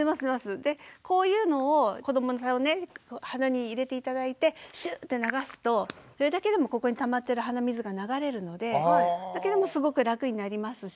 こういうのを子どもさんの鼻に入れて頂いてシュッて流すとそれだけでもここにたまってる鼻水が流れるのでそれだけでもすごく楽になりますし。